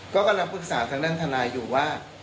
ก็กำลังปรึกษาทางด้านทนายอยู่ว่า